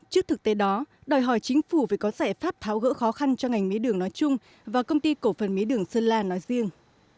trước thực tế đó đòi hỏi chính phủ phải có giải pháp tháo gỡ khó khăn cho ngành mía đường nói chung và công ty cổ phần mía đường sơn la nói riêng